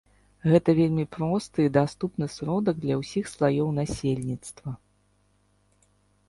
Гэта вельмі просты і даступны сродак для ўсіх слаёў насельніцтва.